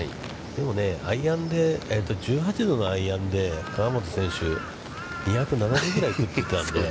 でもね、１８度のアイアンで河本選手、２７０ぐらい打っていたので。